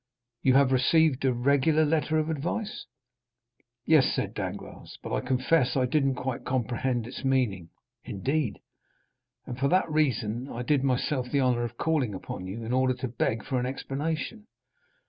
You have received a regular letter of advice?" "Yes," said Danglars, "but I confess I didn't quite comprehend its meaning." "Indeed?" "And for that reason I did myself the honor of calling upon you, in order to beg for an explanation."